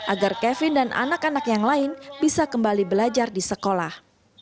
agar kevin dan anak anak yang lain bisa kembali belajar di sekolah